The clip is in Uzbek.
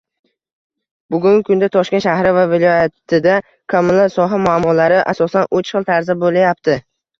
Bugungi kunda Toshkent shahri va viloyatida kommunal soha muammolari, asosan, uch xil tarzda boʻlayapti.